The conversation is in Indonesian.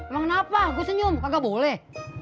lo kenapa gue senyum kagak boleh